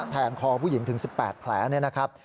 แถมคอผู้หญิงถึง๑๘แผลนะครับ